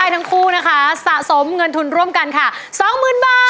ทั้งคู่นะคะสะสมเงินทุนร่วมกันค่ะ๒๐๐๐บาท